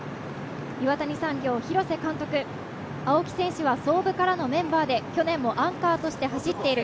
岩谷産業、廣瀬監督、青木選手は創部からのメンバーで、去年もアンカーとして走っている。